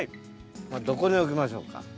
どこに置きましょうか？